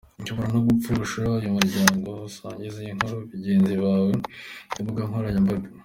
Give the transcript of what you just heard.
Ushobora no gufasha uyu muryango usangiza iyi nkuru bagenzi bawe ku mbuga nkoranyambaga.